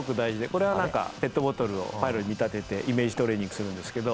これはなんかペットボトルをパイロンに見立ててイメージトレーニングするんですけど。